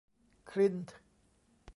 คลินต์